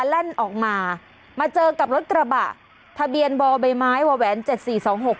แล่นออกมามาเจอกับรถกระบะทะเบียนบ่อใบไม้วอแหวนเจ็ดสี่สองหก